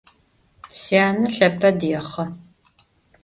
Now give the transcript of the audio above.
Syane lheped yêxhe.